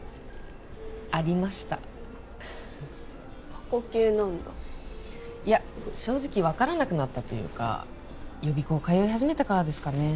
ありました過去形なんだいや正直分からなくなったというか予備校通い始めたからですかね